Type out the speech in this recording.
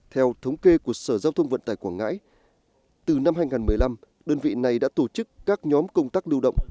theo thống kê của sở giao thông vận tải quảng ngãi từ năm hai nghìn một mươi năm đơn vị này đã tổ chức các nhóm công tác lưu động